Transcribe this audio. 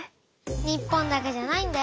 日本だけじゃないんだよ。